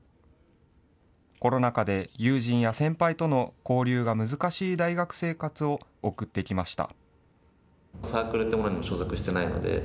コロナ禍で、友人や先輩との交流が難しい大学生活を送ってきました。